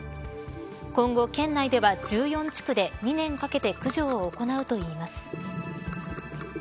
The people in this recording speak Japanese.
今後、県内では１４地区で２年かけて駆除を行うといいます。